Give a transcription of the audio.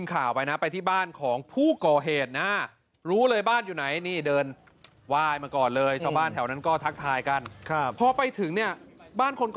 ก็งงอยู่ครับตอนนี้ก็คือยังมีอาการมืน